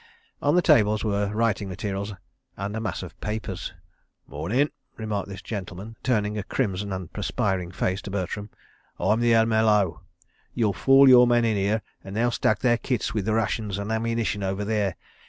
On the tables were writing materials and a mass of papers. "Mornin'," remarked this gentleman, turning a crimson and perspiring face to Bertram. "I'm the M.L.O. You'll fall your men in here and they'll stack their kits with the rations and ammunition over there.